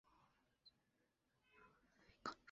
西畴黄芩为唇形科黄芩属下的一个种。